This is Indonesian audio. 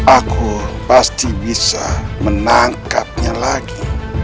aku pasti bisa menangkapnya lagi